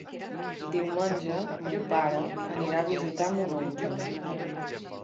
Diumenge mon pare anirà a visitar mon oncle.